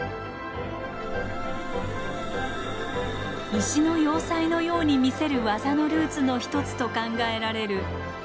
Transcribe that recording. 石の要塞のように見せる技のルーツの一つと考えられる出雲。